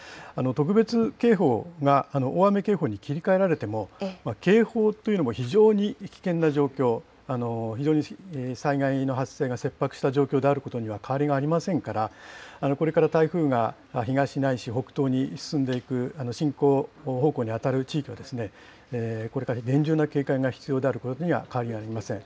特別警報が大雨警報に切り替えられても、警報というのも非常に危険な状況、非常に災害の発生が切迫した状況であることには変わりがありませんから、これから台風が東ないし北東に進んでいく進行方向に当たる地域は、これから厳重な警戒が必要であるということに変わりはありません。